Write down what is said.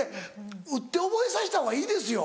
打って覚えさせたほうがいいですよ。